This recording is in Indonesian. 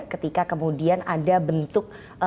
ketika kemudian ada bentuk